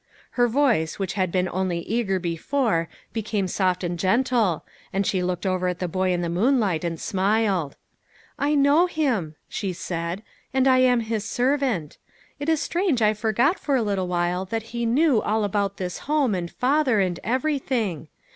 Her voice which had been only eager before, became soft and gentle, and she looked over at the boy in the moonlight and smiled. " I know Him," she said, " and I am His servant. It is strange I forgot for a little while that He knew all about this home, and father, and everything